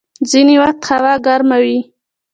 ځيني وخت هوا ګرمه وي.